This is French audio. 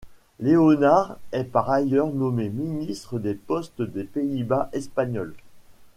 Léonard est par ailleurs nommé ministre des Postes des Pays-Bas espagnols.